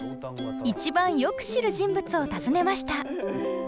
一番よく知る人物を訪ねました。